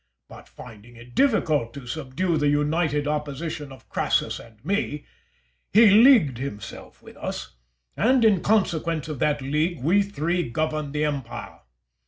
But finding it difficult to subdue the united opposition of Crassus and me, he leagued himself with us, and in consequence of that league we three governed the empire.